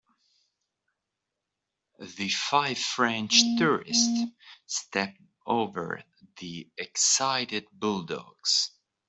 The five French tourists stepped over the excited bulldogs.